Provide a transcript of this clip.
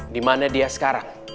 dimana dia sekarang